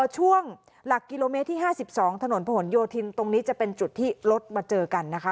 ช่วงหลักกิโลเมตรที่๕๒ถนนผนโยธินตรงนี้จะเป็นจุดที่รถมาเจอกันนะคะ